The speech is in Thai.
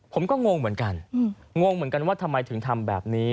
ผมก็งงเหมือนกันงงเหมือนกันว่าทำไมถึงทำแบบนี้